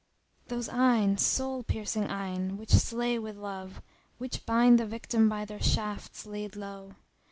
Those eyne, soul piercing eyne, which slay with love, * Which bind the victim by their shafts laid low?